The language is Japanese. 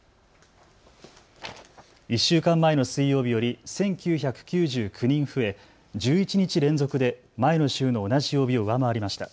１週間前の水曜日より１９９９人増え、１１日連続で前の週の同じ曜日を上回りました。